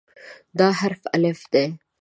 دا حرف "الف" دی.